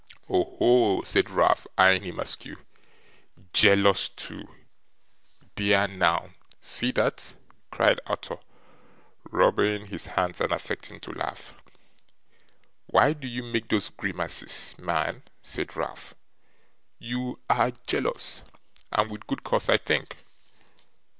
'Oho!' said Ralph, eyeing him askew. 'Jealous too!' 'Dear now, see that!' cried Arthur, rubbing his hands and affecting to laugh. 'Why do you make those grimaces, man?' said Ralph; 'you ARE jealous and with good cause I think.